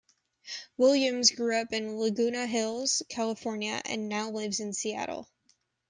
Williams grew up in Laguna Hills, California, and now lives in Seattle.